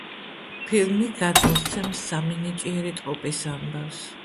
ფილმი გადმოსცემს სამი ნიჭიერი ტყუპის ამბავს.